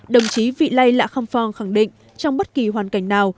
đồng chí vị lây lạ khăm phong khẳng định trong bất kỳ hoàn cảnh nào